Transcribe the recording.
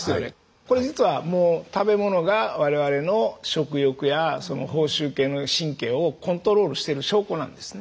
これ実はもう食べ物が我々の食欲やその報酬系の神経をコントロールしてる証拠なんですね。